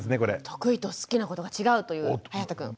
得意と好きなことが違うというはやたくん。